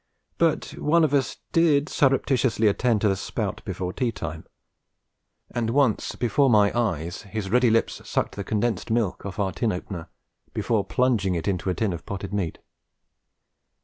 But one of us did surreptitiously attend to the spout before tea time. And once before my eyes his ready lips sucked the condensed milk off our tin opener before plunging it into a tin of potted meat.